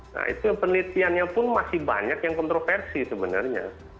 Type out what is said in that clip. nah itu penelitiannya pun masih banyak yang kontroversi sebenarnya